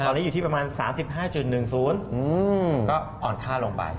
ตอนนี้อยู่ที่ประมาณ๓๕๑๐ก็อ่อนค่าลงไป